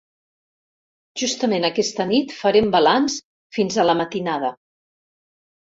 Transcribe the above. Justament aquesta nit farem balanç fins a la matinada.